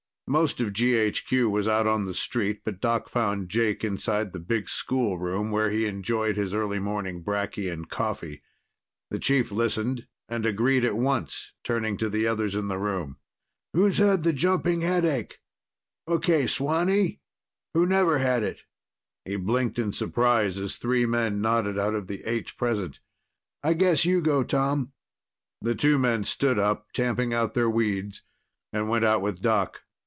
Most of GHQ was out on the street, but Doc found Jake inside the big schoolroom where he enjoyed his early morning bracky and coffee. The chief listened and agreed at once, turning to the others in the room. "Who's had the jumping headache? Okay, Swanee. Who never had it?" He blinked in surprise as three men nodded out of the eight present. "I guess you go, Tom." The two men stood up, tamping out their weeds, and went out with Doc.